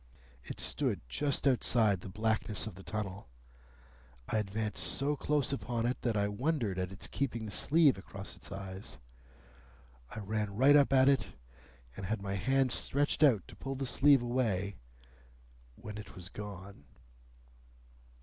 It stood just outside the blackness of the tunnel. I advanced so close upon it that I wondered at its keeping the sleeve across its eyes. I ran right up at it, and had my hand stretched out to pull the sleeve away, when it was gone."